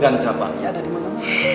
dan cabangnya ada dimana mana